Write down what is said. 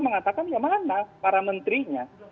mengatakan ya mana para menterinya